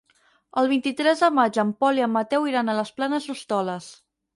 El vint-i-tres de maig en Pol i en Mateu iran a les Planes d'Hostoles.